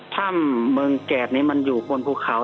ถ้ำเมืองแก่นี้มันอยู่บนภูเขา